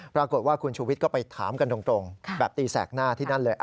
ปรากฏว่าคุณชูวิทย์ก็ไปถามกันตรงแบบตีแสกหน้าที่นั่นเลย